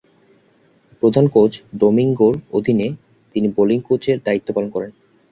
প্রধান কোচ ডোমিঙ্গো’র অধীনে তিনি বোলিং কোচের দায়িত্ব পালন করেন।